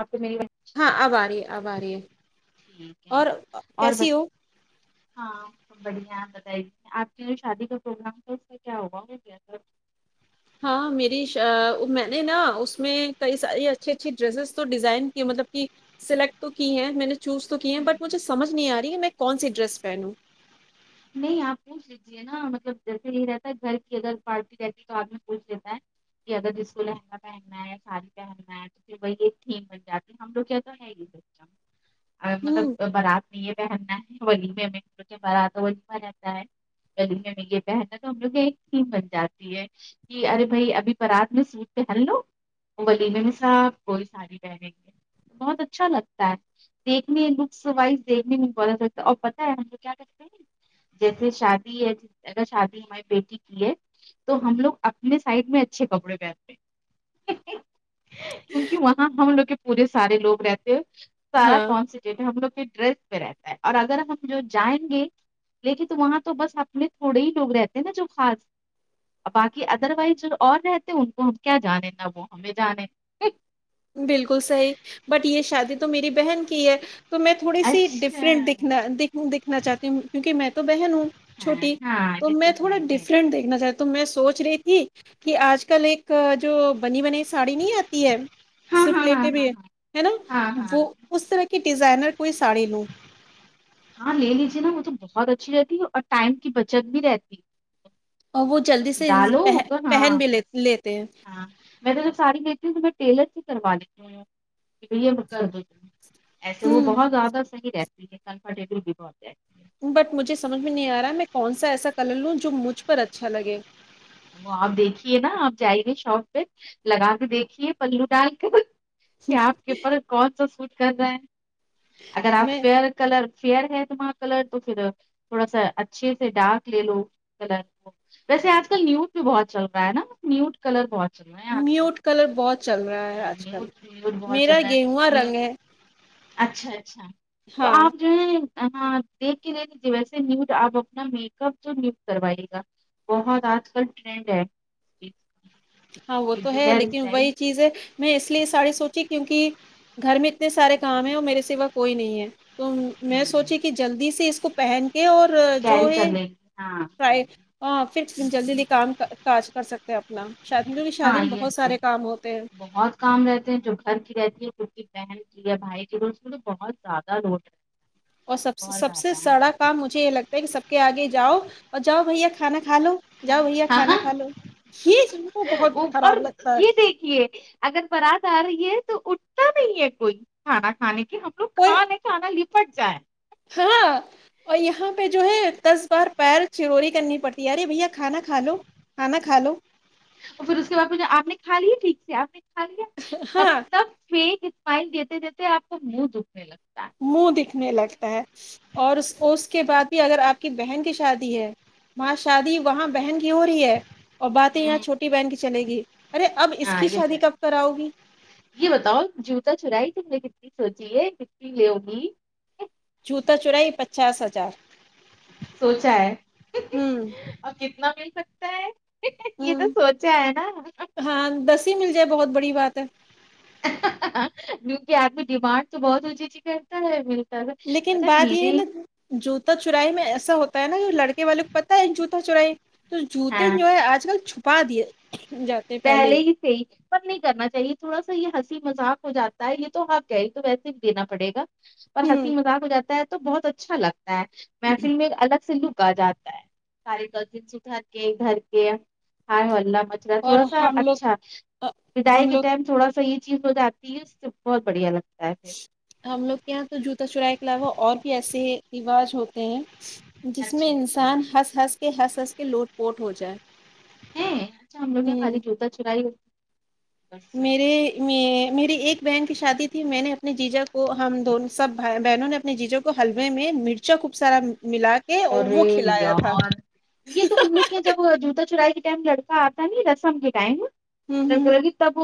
آپ کو میری وہے ہاں اب آ رہی ہے اب آ رہی ہے ٹھیک ہے اور اور ب کیسی ہو ہاں بڑھیا آپ بتائیی آپ کے جو شادی کا پروگرام تھا اس میں کیا ہوا ہو گ سر ہاں میری سآ میں نے نا اس میں کئی ساری اچھی اچھی ڈریسیز تو ڈیزائن کی مطلب کہ سلیکٹ تو کی ہے میں نے چوز تو کی ہیں بٹ مجھے سمجھ نہیں آ رہی کہ میں کون سی ڈریس پہنوں نہیں آپ پوچھ لیجیے نا مطلب جیسے یہ رہتا ہے گھر کی اگر پارٹی رہتی تو آد میں پوچھ لیتا ہے کہ اگر جس کو لہنگا پہننا ہے یا ساڑی پہننا ہے تو پھر وہی ایک تھیم ہے جات ہم لوگ کیا تو ہے ہی سسٹم ہوں مطلب بارات میں یہ پہننا ہے ولی میں بارات رہتا ہے گلیگے میں یہ کہہننا تو ہم لوگ یہ ایک تھیم بن جاتی ہے کہ ارے بھائی ابھی برات میں سوٹ پہ پہنلو ولیمے میں صاحب کوئی ساڑی رہہ گئی بہت اچھا لگتا ہے دیکھنے لکس وائز دیکھنے بتا ہے اب پتہ ہے ہم کو کیا کرتے ہیں جیسے شادی ہے ج اگر شادی ہماری بیٹی کی ہے تو ہم لوگ اپنے سائڈ میں اچھے کپڑے پہنتے کیونکہ وہاں ہم لوگ کے پورے سارے لوگ رہتے ہو سارا ہاں کون س جہ ہم لوگ کے ڈریس پہ رہتا ہے اور اگر ہم جو جائیں گے لیکن وہاں تو بس اپنے تھوڑے ہی لوگ رہتے ہیں نا جو خاص باقی ادر وائز جو اور رہتے ان کو ہم کیا جانیں نہ وہ ہمیں جانیں بالکل صحیح بٹ یہ شادی تو میری بہن کی ہے تو میں تھوڑی سی ڈفرنٹ اچھا دیکھنا دیکھنا چاہتی ہوں کیونکہ میں تو بہن ہوں ہاں چھوٹی ہاں تو یہ میں ہے تھوڑا ہی ہے ڈفرنٹ دیکھنا چاہتی تو میں سونچ رہی تھی کہ آج کل ایک جو بنی بنی ساڑی نہیں آتی ہے ہاں ج ہاں ہاں پلیٹیں بھی ہاں ہے ہے نا ہاں ہاں ہاں وہ اس طرح کی ڈیزائنر کوئی ساڑی لوں ہاں لے لیجیے نا وہ تو بہت اچھی رہتی ہے اور ٹائم کی بچت بھی رہتی ہے اور وہ بس جلدی سے انس- ڈالو ا پہ- کا ہاں پہن بھی لے- بس لیتے ہیں ہاں میں تو جب ساری لیتی ہوں تو میں ٹیلر سے کروا لیتی ہوں کہ بھیا کر دوتی ایسے وہ ہ بہت زیادہ صحیح رہتی ہے کمفرٹیبل بھی بہت رہ ہے بٹ مجھے سمجھ میں نہیں آ رہا ہے میں کون سا ایسا کلر لوں جو مجھ پر اچھا لگے وہ آپ دیکھیے نا آپ جائی گے شاپ پہ لگا کے دیکھیے پلو ڈال کر کہ آپ کے اوپر کون سا سوٹ کر رہا ہے اگر آپ میں فیئر کلر فیئر ہے تمہارا کلر تو پھر تھوڑا سا اچھے سے ڈارک لے لو کلر ویسے آج کل نیوز بھی بہت چل رہا ہے نا نیوٹ کلر بہت چل رہا ہے آج کل میوٹ کلر بہت چل رہا ہے آج کل نیٹ نی میرا گیہوا رنگ ہے اچھا اچھا تو ہاں آپ جو ہے دیکھ کے دیکھ ویسے نیو آپ اپنا میک اپ جو نیوٹ کروائی گا بہت آج کل ٹرینڈ ہے ج ہاں وہ تو ہے لیکن وہی چیز ہے میں اس لیے ساری سونچی کیونکہ گھر میں اتنے سارے کام ہیں اور میرے سوا کوئی نہیں ہے تو میں سوچی کی جلدی سے اس کو پہن کے اور جو کیری کر ہے لیں گی ہاں فرائی ہاں پھر جلدی جلدی کام کاج کر سکتے ہیں اپنا شادی میں شادی ہاں میں بہت یہ سارے کام ہوتے ہیں بہت کام رہتے ہیں جو گھر کی رہتی ہے جو کی بہن کی یا بھائی کی اس کو تو بہت زیادہ لوٹ اور سب سہ بہت سب سے زیادہ سڑا کام مجھے یہ لگتا ہے کہ سب کے آگے جاؤ اور جاؤ بھیا کھانا کھا لو جاؤ بھیا کھانا ہاں کھا لو یہ سب کو بہت وہ۔ اور خراب لگتا ہے یہ اگر برات آ رہی ہے تو اٹھتا نہیں ہے کوئی کھانا کھانے کے ہم لوگ کوئی کھانے کھانا لی پٹ جائے ہاں اور یہاں پہ جو ہے دس بار پیر چوری کرنی پڑتی ہے ارے بھیا کھانا کھا لو کھانا کھا لو اور پھر اس کے بعد پوچھنا آپ نے کھا لیا ٹھیک سے آپ نے کھا لیا ہاں مطلب کہ مائنڈ دیتے دیتے آ کو منہ دکھنے لگتا ہے منہ دکھنے لگتا ہے اور اس کے بعد بھی اگر آپ کی بہن کی شادی ہے وہاں شادی وہاں بہن کی ہو رہی ہے اور ہے باتیں یہاں ہوں چھوٹی بہن کی چلے گی ارے اب اس ہاں کی یہ تو شادی ہے کب کراؤ گی یہ بتاؤ جوتا چرائی تم نے کتنی سوچی ہے کتنی لیو گی جوتا چورائی پچاس ہزار سوچا ہے ہوں اب کتنا مل سکتا ہے یہ تو ہوں سوچا ہے نا ہاں دس ہی مل جائے بہت بڑی بات ہے کیونکہ آدمی ڈیمانڈ تو بہت اونچی اونچی کرتا ہے ہے لیکن پتا بات یہ میرے ہے نا جوتا چورائی میں ایسا ہوتا ہے نا لڑکے والے کو پتا ہے جوتا چورائی تو ہاں جوتے جو ہے آج کل چھپا دیے جات پہلے ہی سے نہیں کرنا چاہیے تھوڑا سا یہ ہنسی مذاق ہو جاتا ہے یہ تو حق ہے تو ویسے بھی دینا پڑے گا پر ہوں ہنسی مذاق ہو جاتا ہے تو بہت اچھا لگتا ہے محفل میں ایک الگ سے لک آ جات اور [unintelligible] ہم لوگ اچھا آ، بدائی ہم کے لوگ ٹائم تھوڑا سا یہ چیز ہو جاتی ہے اس سے بہت بڑھیا لگتا ہے پھر ہم لوگ کے یہاں تو جوتا چورائ کے علاوہ اور بھی ایسے رواج ہوتے ہیں جس میں اچھا اچھا انسان ہنس ہنس کے ہنس ہنس کے لوٹ پوٹ ہو جائے ہیں اچھا ہم لوگ کہ یہاں ہوں خالی جوتا چرائی ہو میرے میں میری ایک بہن کی شادی تھی میں نے اپنے جیجا کو ہم دون سب بہنوں نے اپنے جیجا ہلوے میں مرچا خوب سارا ملا کے اور ارے وہ کھلایا تھا یار یہ تو ہم لوگ کیا جب جوتا چورائی کے ٹائم لڑکا آتا ہے نا رسم کے ٹائم ہوں ہوں لگی تب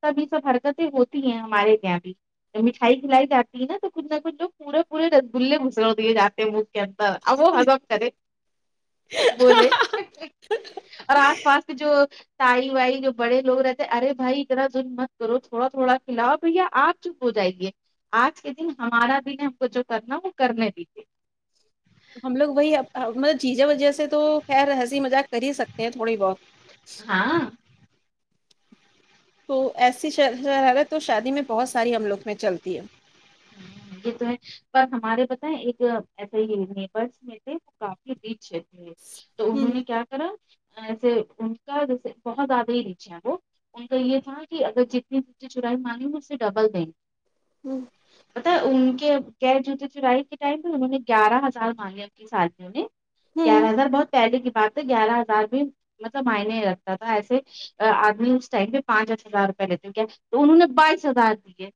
سب یہ سب حرکتیں ہوتی ہیں ہمارے یہاں بھی مٹھائی کھلائی جاتی ہے نا تو کچھ نہ کچھ لوگ پورے پورے رس گلے گھسڑ دیے جاتے ہیں وہ کے اب وہ حضم‌ کرے بولے اور آس پاس کے جو تائی وائی جو بڑے لوگ رہتے ارے بھائی اتنا تم مت کرو تھوڑا تھوڑا کھلاؤ بھیا آپ چپ ہو جائیے آج کے دن ہمارا دن ہم کو جو کرنا وہ کرنے دیجیے ہم لوگ وہی آآ مطلب جیجا ویجا سے تو خیر ہنسی مذاق کر ہی سکتے ہیں تھوڑی بہت ہاں تو ایسی شرارت تو شادی میں بہت ساری ہم لوگ میں چلتی ہے یہ تو ہے پر ہمارے بتائیں ایک ایسے ہی نیبرس میں تھے کافی پیچھے تھے تو انہوں ہوں نے کیا طرح ان کا جیسے بہت زیادہ ہی ریچے ہے وہ ان کا یہ تھا کہ اگر جتنی جنی چرائی مانی اس سے ڈبل دیں ہوں پتا ان کے گے جوتے چرائی کے ٹائم میں انہوں نے گیارہ ہزار مانگے ان کی سالیوں نے ہوں گیارہ ہزار بہت پہلے کی بات ہے گیارہ ہزار بھی مطلب معئنے ہی رگتا تھا ایسے آدمی اس ٹائم پہ پانچس ہزار روپئے لیتے کیا تو انہوں نے بائیس ہزار دیے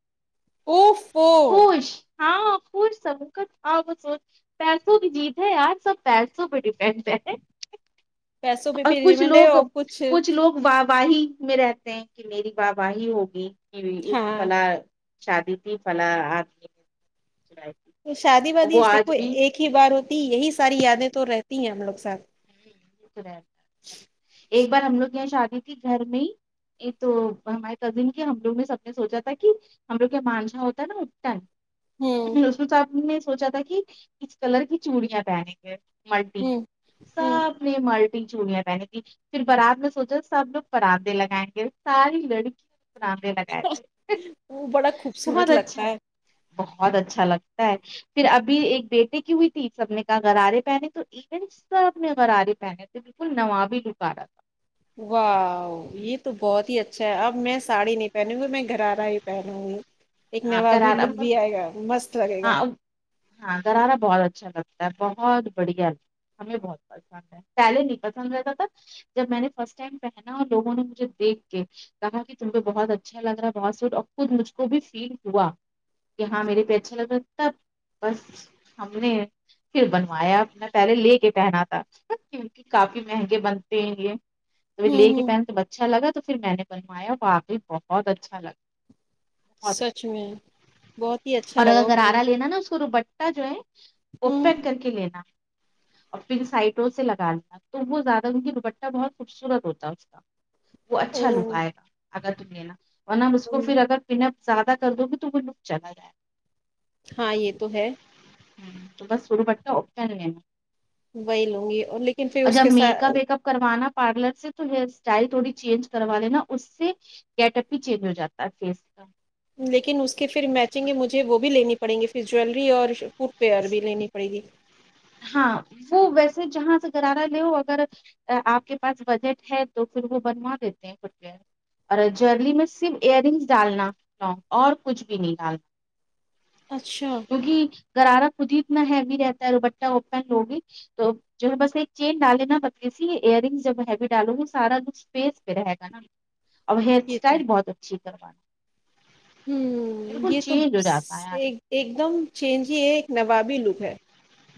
اف فو خوش ہاں خوش سب کچھ آ ہو پیسوں کی جیت ہے یار سب پیسوں پہ ڈیپینڈ کرتے پیسوں پہ اور بھی کچھ ریمنڈ ہے لوگ اور کچھ لوگ واہ واہی میں رہتے کہ میری باہ واہی ہوگی کہ ہاں فلا شادی تھی فلاں آدمی ج [unintelligible] تو شادی وادی دیکھو ایک ہی بار ہوتی یہی ساری یادیں تو رہتی ہیں ہم لوگ ساتھ ایک بار ہم لوگ یہاں شادی تھی گھر میں ہی یہ تو ہمارے کزن کے ہم لوگ میں سب نے سوچا تھا کہ ہم لوگ کا مانجھاہ ہوتا ہے نا ہوں اٹٹن اس کو صاحب نے سوچا تھا کہ اس کلر کی چوڑیاں پہنے ملٹیی ہوں ہوں سب ملٹی چوڑیاں پہنی تھی پھر برات میں سوچا سب لوگاتے لگائیں گے ساری لڑکی لگائے تھے وہ بڑا بہت خوبصورت لگتا اچھا ہے بہت اچھا لگتا ہے پھر ابھی ایک بیٹے کی ہوئی تھی سب نے کا گرارے پہنے تو این آپ نے غرارے پہنے تھے بلکل نوابی ہی لوک آرہا تھا واو یہ تو بہت ہی اچھا ہے اب میں ساڑی نہیں پہنوں گی میں گھرارا ہی پہنوں گی ایک ہاں نوابی غرارہ لک بھی آئے گا مست لگے گا ہاں ہاں گرارا بہت اچھا لگتا ہے بہت بڑھیا ہمیں بہت پسند پہلے نہیں پسند رہتا تھا جب میں نے فرسٹ ٹائم پہنا اور لوگوں نے مجھے دیکھ کے کہا کہ تم پہ بہت اچھا لگ رہا ہے بہت سٹ اور خود مجھ کو بھی فیل ہوا کہ ہاں میرے پہ اچھا لگ رہا تب بس ہم نے پھر بنوایا اپ نے پہلے لے کے پہنا تھا کیونکہ کافی مہنگے بنتے ہیں یہ توپھر لے ہوں کے ہوں پہنے تو اچھا لگا تو پھر میں نے بنوایا وہ وآقی بہت اچھا لگا بہت اچھا۔ سچ میں بہت ہی اچھا اور اگر لگا کہ گرارہ لینا نا اس کو ڈوپٹہ جو ہے وہ ہوں اپتن کر کے لینا اور پھر سائٹوں سے لگا لتا تو وہ زیادہ ان کی دوپٹہ بہت خوبصورت ہوتا اس کا وہ اچھا لک اوہ آئے گا اگر تم لینا ورنہ اس کو ہوں پھر اگر پن اپ زیادہ کر دو کو نک چلا جائے [unintelligible] ہاں یہ تو ہے ہ تو بس سرو پ کا آپشن نہیں ہے [unintelligible] وہی لوں نگی اور لیکن پھر اس کے میک ساتھ اپ ویک اپ کروانا پارلر سے تو ہیئر اسٹائل تھوڑی چینج کروا لینا اس سے گیٹ اپ ہی چینج ہو جاتا ہے فیس اس کا لیکن اس کے پھر میچنگ ہے مجھے وہ بھی لینی پڑیں گی پھر جویلری اور کپےر بھی لینی پڑے گی ہاں وہ ویسے جہاں سے گرارہ لےوہ اگر آپ کے پاس بجٹ ہے تو پھر وہ بنوا دیتے ہیں فٹ وئر اور جرلی میں صرف ایئر رنگس ڈالنا اور کچھ بھی نہیں ڈالنا [inaudible] اچھا گرارا خود ہی اتنا ہیوی رہتا ہے ڈوپٹہ وپٹہ لوگی تو جو ہے بس ایک چین ڈالے نا پتلی سی ایئر رنگ جب ہیوی ڈالو گی سارا کچھ وستے رہے گا نا اب ہیئر یہ تو اسٹائل بہت اچھی کرواے ھممم یہ تو ہو جاتا ہے آدمی، ایک ایک دم چینج ہی ہے ایک نوابی لوک ہے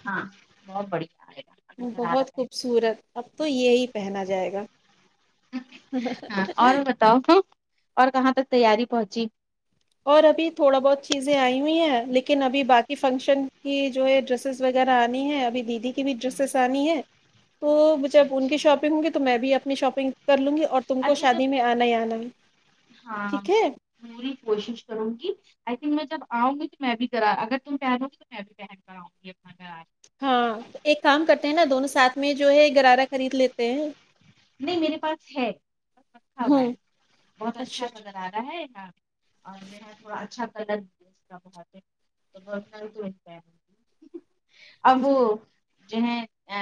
ہاں بہت بڑھیا آئے گا اگر غرارہ بہت پہن خوبصورت اب تو یہی پہنا جائے گا ہاں اور بتاؤ اور کہاں تک تیاری پہنچی اور ابھی تھوڑا بہت چیزیں آئی ہوئی ہیں لیکن ابھی باقی فنکشن کی جو ہے ڈریسسس وغیرہ آنی ہے ابھی دیدی کی بھی ڈریسسس انی ہے تو اچھا جب ان کی اچھا شاپنگ ہوں گی تو میں بھی اپنی شاپنگ کر لوں گی اور تم کو اچھا شادی میں جب آنا ہی آنا ہے ہاں ٹھیک ہے میں پوری کوشش کرونگی ابھی میں جب آؤں گی تو میں بھی غرارا اگر تم پہناؤ گی تو میں بھی پہن کراؤآنگی اپنا گھر ہاں ایک کام کرتے ہیں نا دونوں ساتھ میں جو ہے غرارہ خرید لیتے ہیں نہیں میرے پاس ہےورکھا ہوا ہوں ہے بہت اچھا نظر آ رہا ہے ہاں نہ اور میرا تھوڑا اچھا کلر اس کا بہت [unintelligible] اب وہ جو ہے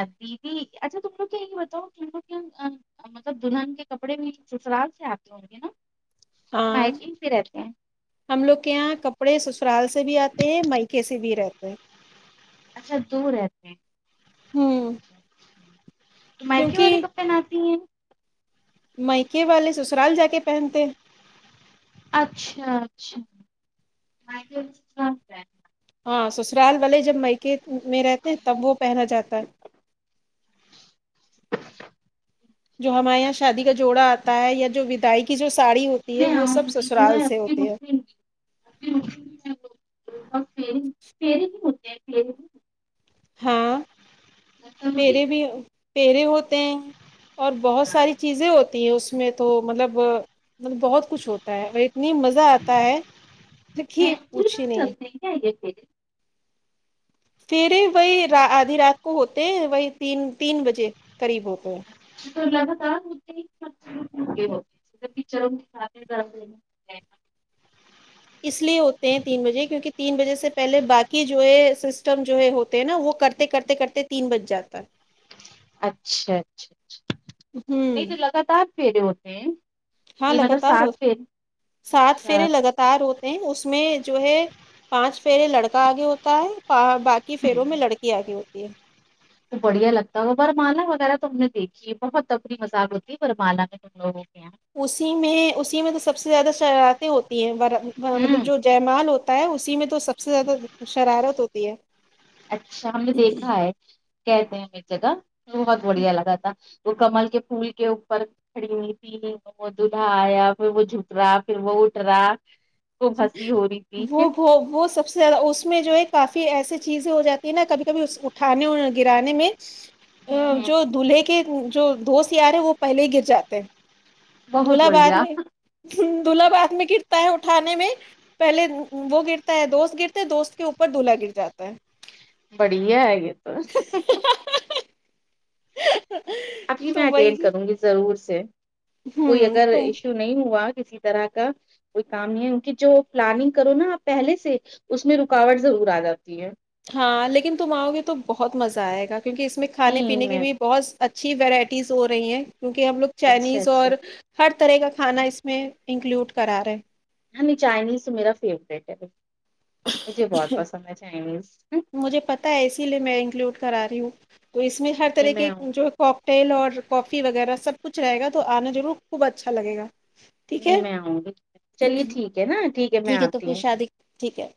دیدی اچھا تم لوگ کیا یہ بتاؤ مطلب دلہن کے کپڑے بھی سسرال سے آتے ہوں گے نہ ہاں میچنگ بھی رہتا ہے ہم لوگ کے یہاں کپڑے سسرال سے بھی آتے ہیں مایکا سے بھی رہتے ہیں اچھا دو رہتے ہیں ہممم مایکا والے کپڑے لاتے ہیں مائکے والے سسرال جا کے پہنتے اچھا اچھا ہاں سسرال والے جب میکے میں رہتے ہیں تب وہ پہنا جاتا ہے جو ہمارے یہاں شادی ہیں۔ کا جوڑا آتا ہے یا جو ودائی کی جو ساڑی ہوتی ہے میں وہ آؤں سب گی جو ہے سسرال اب سے کی ہوتی [inaudible] رکیں گی اب کی رکیں اور فری فیری بھی ہوتے ہیں فیری بھی ہوتے ہاں ہیں پہرے بھی پہرے ہوتے ہیں اور بہت ساری دیکھنا چیزیں ہوتی ہیں اس میں تو مطلب بہت کچھ ہوتا وہ اتنی مزہ آتا ہے کیونکی ہے ہی پوری پوچھی رات نہیں [unintelligible] پںہرے وہی آدھی رات کو ہوتے ہیں وہی تین تین بجے قریب ہوتے ہیں [unintelligible] اس لیے ہوتے ہیں تین بجے کیونکہ تین بجے سے پہلے باقی جو ہے سسٹم جو ہے ہوتے ہیں نا وہ کر کہ کرتے کرتے کرتے تین بج جاتا اچھا اچھا اچھا ہوں نہیں تو لگاتار پھیرے ہوتے ہیں ہاں یہ مطلب لگاتار ہو سات فیرے سات پھیرے اچھا لگ تار ہوتے ہیں اس میں جو ہے پانچ پھیرا لڑکا آگے ہوتا ہے باقی کی پھروں میں لڑکی آگی ہوتی ہے تو بڑھیا لگتا ہے برمالا وغیرہ تو ہم نے دیکھی ہے بہت اپری مذاق ہوتی ہے برمالا میں [unintelligible] اسی میں اسی میں تو سب سے زیادہ شرطے ہوتی ہیں مطلب ہوں جو کمال ہوتا ہے اسی میں تو سب سے زیادہ شرارت ہوتی ہے اچھا ہم نے دیکھا ہے کہتے ہیں ایک جگہ بہت بڑھیا لگا تھا تو کامل کے پھول کے اوپر کھڑی ہوئی پھر وہ دولہا آیا پھر وہ جھک رہا پھر وہ اٹھ رہا خوب ہنسی ہو رہی تھی وہ وہ وہ سب سے اس اس میں جو ہے کافی ایسی چیزیں ہو جاتی ہیں نہ کبھی کبھی اٹھانے اور گرانے میں ہوں اور ہوں جو دلہے کے جو دوست یار ہیں وہ پہلے گر جاتے ہیں بہت دولہا بعد بڑھیا میں دولہا بعد میں گرتا ہے کھانے میں پہلے وہ گرتا ہے دوست گرتا ہے دوست کے اوپر دولہا گر جاتا ہے بڑھیا ہے یہ تو ہے ابھی تو میں اٹینڈ وہی کروں گی ضرور سے کوئی اگر یشو تو نہیں ہوا کسی طرح کا کوئی کام نہیں ہے ان کی جو پلاننگ کرو نا آپ پہلے سے اس میں رکاوٹ ضرور آ جاتی ہے ہاں لیکن تم آؤ گے تو بہت مزہ آئے گا کیونکہ اس میں کھانے نہیں پینے کے میں بھی بہت اچھی ورائٹیز ہو رہی ہیں کیونکہ ہم لوگ اچھا چائنیز اچھا اور ہر طرح کا کھانا اس میں انکلوڈ کرا رہے ہیں ہمیں چائنیز تو میرا فیوریٹ ہے مجھے بہت پسند ہے چائنیز مجھے پتا ہے اسی لیے میں انکلوڈ کرا رہی ہوں تو اس میں ہر نہیں طرح میں کے آؤں گی جو ٹیل اور کافی وغیرہ سب کچھ رہے گا تو آنا ضرور خوب اچھا لگے گا ٹھیک نہیں ہے میں آؤں گی چلیے ٹھیک ہے نا ٹھیک ہے میں تو آتی پھر ہوں شادی ٹھیک ہے